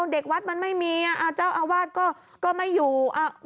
เด็กวัดมันไม่มีเจ้าอาวาสก็ไม่อยู่